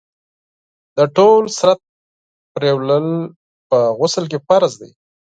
د ټول بدن پرېولل په غسل کي فرض دي.